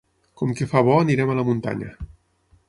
Com que fa bo anirem a la muntanya.